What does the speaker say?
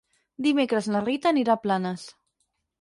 Dimecres na Rita anirà a Planes.